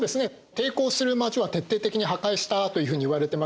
抵抗する町は徹底的に破壊したというふうにいわれてますね。